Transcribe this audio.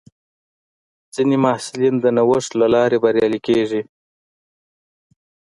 ځینې محصلین د نوښت له لارې بریالي کېږي.